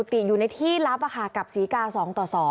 ติอยู่ในที่ลับกับศรีกา๒ต่อ๒